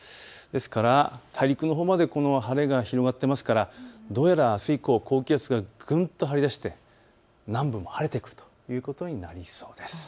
ですから、大陸のほうまで晴れが広がっているのでどうやらあす以降高気圧がぐんと張り出して南部も晴れてくるということになりそうです。